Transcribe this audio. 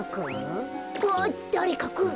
あっだれかくる。